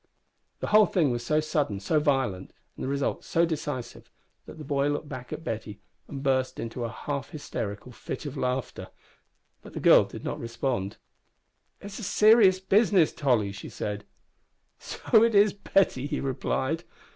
The whole thing was so sudden, so violent, and the result so decisive, that the boy looked back at Betty and burst into a half hysterical fit of laughter, but the girl did not respond. "It's a serious business, Tolly!" she said. "So it is, Betty," he replied.